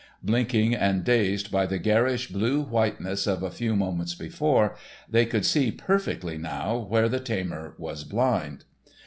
Blinking and dazed by the garish blue whiteness of a few moments before, they could see perfectly now where the tamer was blind.